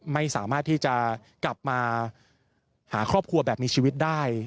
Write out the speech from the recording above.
ไม่สามารถที่จะกลับมาหาครอบครัวแบบมีชีวิตได้